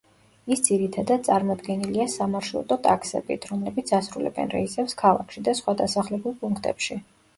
ის ძირითადად წარმოდგენილია სამარშრუტო ტაქსებით, რომლებიც ასრულებენ რეისებს ქალაქში და სხვა დასახლებულ პუნქტებში.